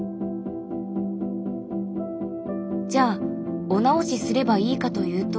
じゃあお直しすればいいかというと。